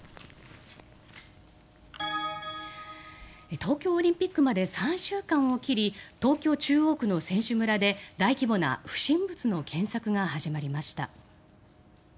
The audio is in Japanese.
東京オリンピックまで３週間を切り東京・中央区の選手村で大規模な不審物の検索が始まりました。